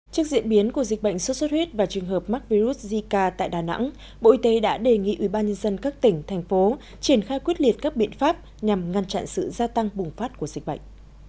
trước diễn biến của dịch bệnh sốt xuất huyết và trường hợp mắc virus zika tại đà nẵng bộ y tế đã đề nghị ubnd các tỉnh thành phố triển khai quyết liệt các biện pháp nhằm ngăn chặn sự gia tăng bùng phát của dịch bệnh